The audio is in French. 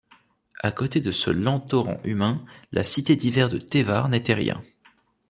À côté de ce lent torrent humain, la Cité d'Hiver de Tévar n'était rien.